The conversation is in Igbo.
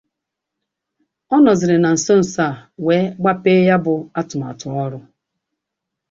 ọ nọzịrị na nsonso a wee gbapee ya bụ atụmatụ ọrụ